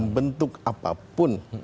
dalam bentuk apapun